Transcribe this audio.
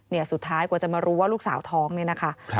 สุดท้ายกว่าจะมารู้ว่าลูกสาวท้องเนี่ยนะคะ